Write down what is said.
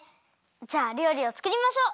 じゃありょうりをつくりましょう！